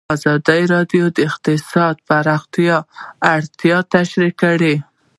ازادي راډیو د اقتصاد د پراختیا اړتیاوې تشریح کړي.